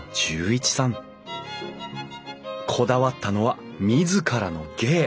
こだわったのは自らの芸。